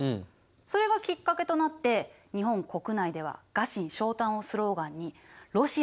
それがきっかけとなって日本国内では「臥薪嘗胆」をスローガンにロシアへの敵意が大きくなっていったの。